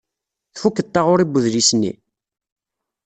Tfukeḍ taɣuri n wedlis-nni?